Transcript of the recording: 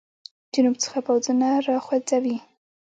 جنوب څخه پوځونه را وخوځوي.